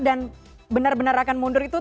dan benar benar akan mundur itu